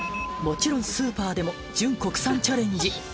もちろんスーパーでも純国産チャレンジ